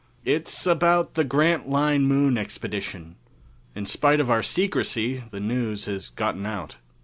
"It's about the Grantline Moon Expedition. In spite of our secrecy, the news has gotten out.